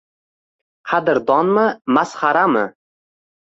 Qadrdonmi, masxarami?